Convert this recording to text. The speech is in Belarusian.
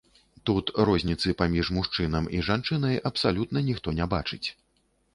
Тут розніцы паміж мужчынам і жанчынай абсалютна ніхто не бачыць.